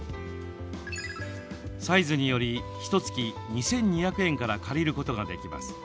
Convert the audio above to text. サイズによりひとつき２２００円から借りることができます。